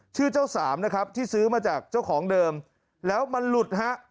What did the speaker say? ชื่อเจ้าสามนะครับที่ซื้อมาจากเจ้าของเดิมแล้วมันหลุดฮะ